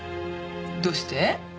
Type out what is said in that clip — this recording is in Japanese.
どうして？